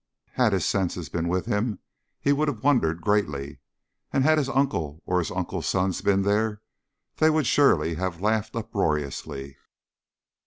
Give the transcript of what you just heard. Had his senses been with him he would have wondered greatly; and had his uncle, or his uncle's sons, been there, they would surely have laughed uproariously.